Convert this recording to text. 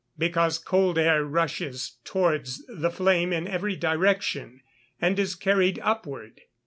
_ Because cold air rushes towards the flame in every direction, and is carried upward.